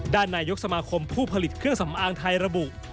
นายกสมาคมผู้ผลิตเครื่องสำอางไทยระบุ